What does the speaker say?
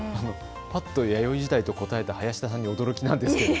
ぱっと弥生時代と答えた林田さんに驚きなんですけれども。